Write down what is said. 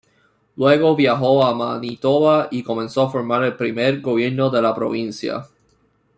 Luego viajó a Manitoba y comenzó a formar el primer gobierno de la provincia.